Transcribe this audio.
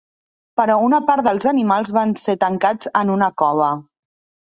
Però una part dels animals van ser tancats en una cova.